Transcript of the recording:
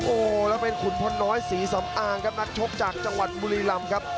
โอ้โหแล้วเป็นขุนพลน้อยศรีสำอางครับนักชกจากจังหวัดบุรีรำครับ